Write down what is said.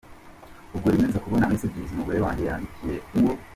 Ubwo rimwe nza kubona messages umugore wanjye yandikiye uwo.